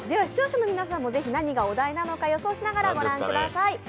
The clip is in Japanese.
視聴者の皆さんも何がお題なのか予想しながら御覧ください。